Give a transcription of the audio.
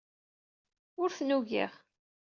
Ur ten-ugiɣ.